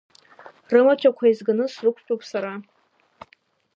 Рымаҭәақәа еизганы срықәтәоуп сара.